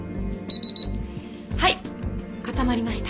はい固まりました。